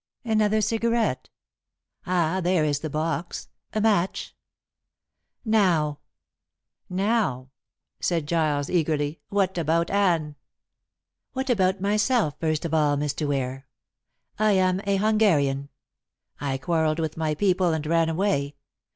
Another cigarette. Ah, there is the box. A match. Now." "Now," said Giles eagerly, "what about Anne?" "What about myself first of all, Mr. Ware. I am a Hungarian. I quarrelled with my people and ran away.